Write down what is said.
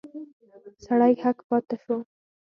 سړی هک پاته شو.